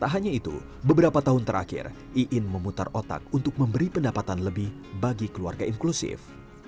tak hanya itu beberapa tahun terakhir iin memutar otak untuk memberi pendapatan lebih bagi keluarga inklusif